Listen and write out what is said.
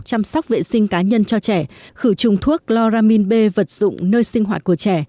chăm sóc vệ sinh cá nhân cho trẻ khử trùng thuốc chloramin b vật dụng nơi sinh hoạt của trẻ